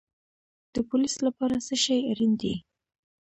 د پولیس لپاره څه شی اړین دی؟